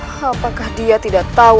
apakah dia tidak tahu